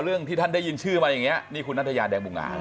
เรื่องที่ท่านได้ยินชื่อมาอย่างนี้นี่คุณนัทยาแดงบุงอาง